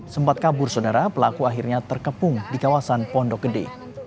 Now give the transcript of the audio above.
sempat kabur saudara pelaku akhirnya terkepung di kawasan pondok gede